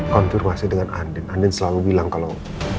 konfirmasi dengan andin selalu bilang kalau